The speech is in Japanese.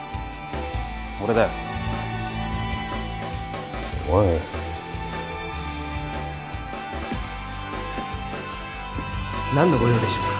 俺だよお前何のご用でしょうか？